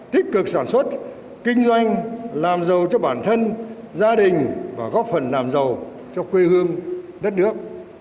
tích cực sản xuất kinh doanh làm giàu cho bản thân gia đình và góp phần làm giàu cho quê hương đất nước